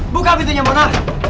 buka pintunya mona